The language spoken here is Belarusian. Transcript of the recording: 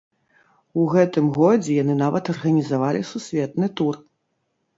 У гэтым годзе яны нават арганізавалі сусветны тур.